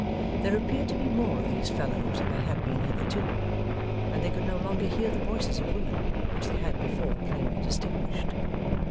There appeared to be more of these fellows than there had been hitherto; and they could no longer hear the voices of women, which they had before plainly distinguished.